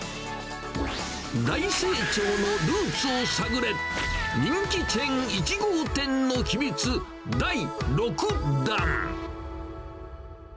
大成長のルーツを探れ、人気チェーン１号店の秘密、第６弾。